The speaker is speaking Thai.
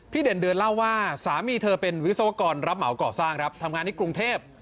เด่นเดือนเล่าว่าสามีเธอเป็นวิศวกรรับเหมาก่อสร้างครับทำงานที่กรุงเทพ